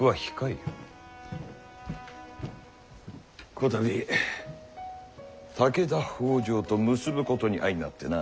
こたび武田北条と結ぶことに相なってな。